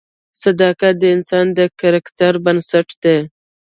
صداقت د انسان د کرکټر بنسټ دی.